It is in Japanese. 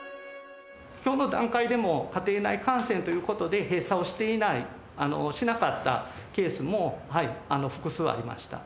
きょうの段階でも、家庭内感染ということで閉鎖をしていない、しなかったケースも複数ありました。